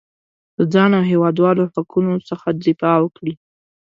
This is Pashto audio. د ځان او هېوادوالو حقونو څخه دفاع وکړي.